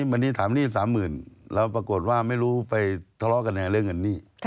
วันนี้ถามหนี้๓๐๐๐แล้วปรากฏว่าไม่รู้ไปทะเลาะกันในเรื่องเงินหนี้